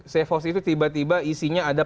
safe house itu tiba tiba isinya ada